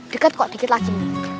dekat kok dikit lagi